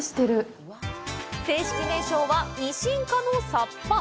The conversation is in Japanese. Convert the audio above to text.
正式名称は、ニシン科のサッパ。